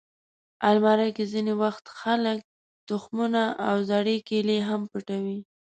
الماري کې ځینې وخت خلک تخمونه او زړې کیلې هم پټوي